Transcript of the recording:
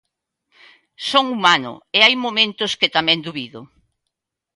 Son humano e hai momentos que tamén dubido.